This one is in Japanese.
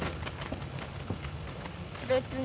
別に。